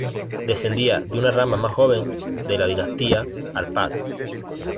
Descendía de una rama más joven de la dinastía Árpád.